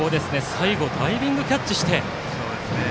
最後ダイビングキャッチして。